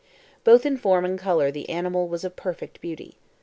Both in form and color the animal was of perfect beauty.